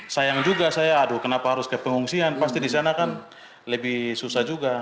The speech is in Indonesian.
sayang juga saya aduh kenapa harus ke pengungsian pasti di sana kan lebih susah juga